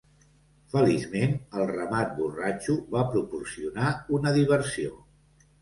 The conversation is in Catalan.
Feliçment, el ramat borratxo va proporcionar una diversió.